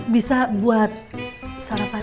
bisa buat sarapan